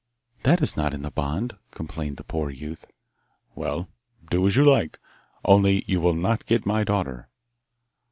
'That is not in the bond,' complained the poor youth. 'Well, do as you like, only you will not get my daughter.